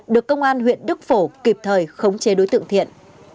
được công an huyện đức phổ kịp thời khống chế đối tượng thiện